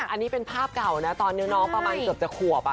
อันนี้เป็นภาพเก่านะตอนนี้น้องประมาณเกือบจะขวบ